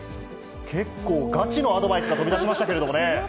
結構ガチのアドバイスが飛び出しましたけどね。